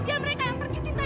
ya mereka yang pergi cinta